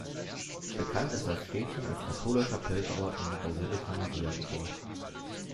Bekannt ist das Städtchen als katholischer Pilgerort um die Basilika Mariä Geburt.